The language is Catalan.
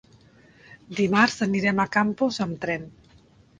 Dimarts anirem a Campos amb tren.